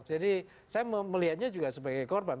jadi saya melihatnya juga sebagai korban